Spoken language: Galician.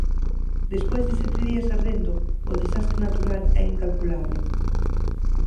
Despois de sete días ardendo, o desastre natural é incalculable.